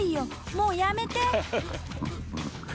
もうやめて！